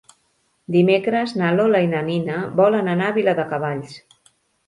Dimecres na Lola i na Nina volen anar a Viladecavalls.